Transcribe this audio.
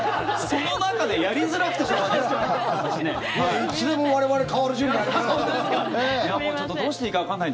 その中でやりづらくてしょうがない。